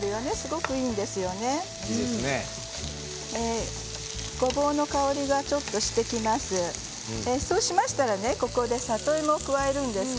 ごぼうの香りがちょっとしてきます。